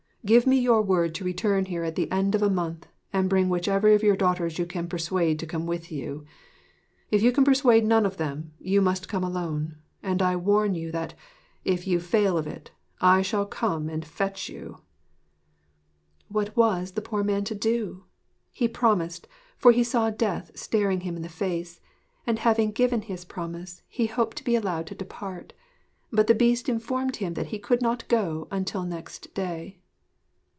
Give me your word to return here at the end of a month and bring whichever of your daughters you can persuade to come with you. If you can persuade none of them, you must come alone; and I warn you that, if you fail of it, I shall come and fetch you.' What was the poor man to do? He promised, for he saw death staring him in the face; and having given his promise he hoped to be allowed to depart. But the Beast informed him that he could not go until next day.